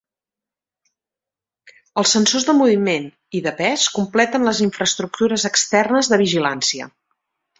Els sensors de moviment i de pes completen les infraestructures externes de vigilància.